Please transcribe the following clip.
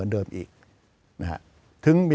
จะพิจารณาคม